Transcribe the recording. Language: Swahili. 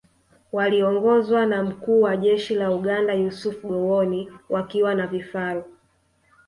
Waliongozwa na Mkuu wa Jeshi la Uganda Yusuf Gowon wakiwa na vifaru